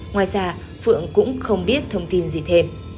ngoài ra phượng cũng không biết thông tin gì thêm